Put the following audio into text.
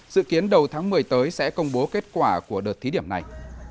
dự kiến đầu tháng một mươi tới sẽ công bố kết quả của đợt thí điểm này